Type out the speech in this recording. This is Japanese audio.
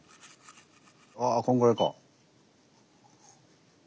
あこんぐらいか。